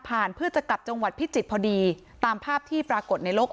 เพื่อจะกลับจังหวัดพิจิตรพอดีตามภาพที่ปรากฏในโลก